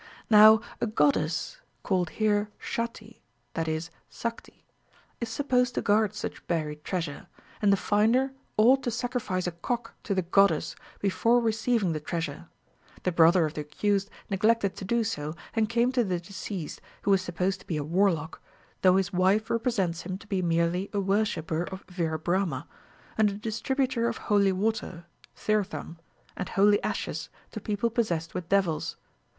Now a goddess (called here Shatti, i.e., Sakti) is supposed to guard such buried treasure, and the finder ought to sacrifice a cock to the goddess before receiving the treasure. The brother of the accused neglected to do so, and came to the deceased, who was supposed to be a warlock, though his wife represents him to be merely a worshipper of Vira Brahma, and a distributor of holy water (thirtham) and holy ashes to people possessed with devils.